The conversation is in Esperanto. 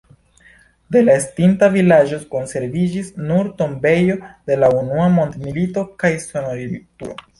De la estinta vilaĝo konserviĝis nur tombejo de Unua mondmilito kaj sonorilturo.